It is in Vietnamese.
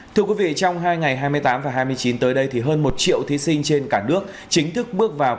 thưa quý vị trong hai ngày hai mươi tám và hai mươi chín tới đây thì hơn một triệu thí sinh trên cả nước chính thức bước vào